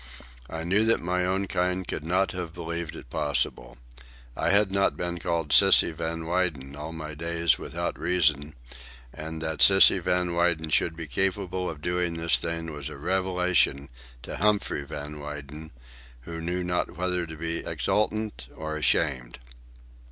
I know that my own kind could not have believed it possible. I had not been called "Sissy" Van Weyden all my days without reason, and that "Sissy" Van Weyden should be capable of doing this thing was a revelation to Humphrey Van Weyden, who knew not whether to be exultant or ashamed.